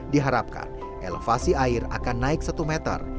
diharapkan elevasi air akan naik satu meter